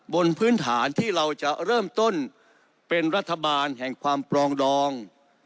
บนพื้นฐานที่เราจะเริ่มต้นเป็นรัฐบาลแห่งความปลองดอง